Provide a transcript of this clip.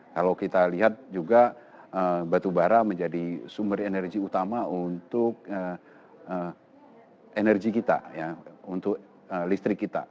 kalau kita lihat juga batubara menjadi sumber energi utama untuk energi kita untuk listrik kita